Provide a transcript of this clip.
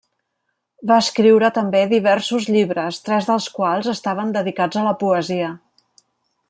Va escriure també diversos llibres, tres dels quals estaven dedicats a la poesia.